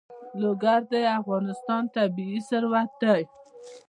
لوگر د افغانستان طبعي ثروت دی.